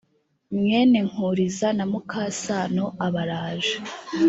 mwene nkuliza na mukasano aba araje